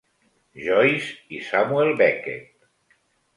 Joyce i Samuel Beckett.